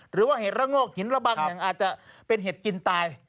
หรือว่าเห็ดระโงกหินระบังอาจจะเป็นเห็ดกินตาย